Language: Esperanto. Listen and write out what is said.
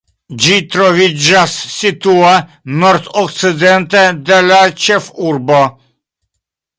Ĝi troviĝas situa nordokcidente de la ĉefurbo.